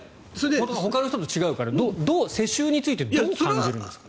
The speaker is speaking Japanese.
ほかの人も違うから世襲についてどう感じるんですか。